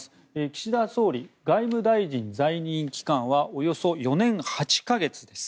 岸田総理、外務大臣在任期間はおよそ４年８か月です。